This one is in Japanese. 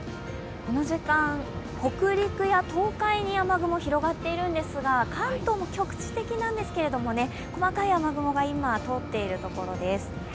この時間、北陸や東海に雨雲が広がっているんですが、関東も局地的なんですけれども細かい雨雲が今、通っているところです。